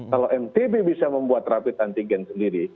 kalau ntb bisa membuat rapid antigen buatan nusa tenggara barat sendiri